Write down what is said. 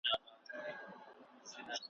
پر اټک مي رپېدلی بیرغ غواړم `